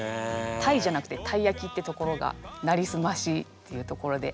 たいじゃなくてたいやきってところが「なりすまし」っていうところで。